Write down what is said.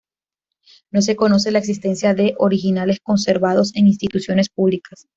No se conoce la existencia de originales conservados en instituciones públicas.